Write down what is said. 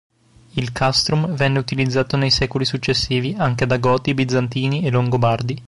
Il "castrum "venne utilizzato nei secoli successivi anche da Goti, Bizantini e Longobardi.